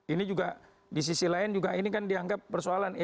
ini juga di sisi lain juga ini kan dianggap persoalan